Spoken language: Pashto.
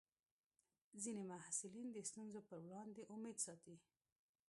ځینې محصلین د ستونزو پر وړاندې امید ساتي.